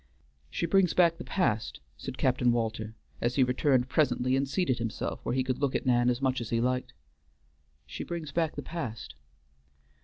"She brings back the past," said Captain Walter as he returned presently and seated himself where he could look at Nan as much as he liked. "She brings back the past."